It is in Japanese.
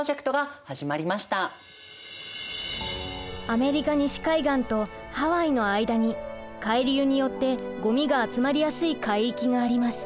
アメリカ西海岸とハワイの間に海流によってごみが集まりやすい海域があります。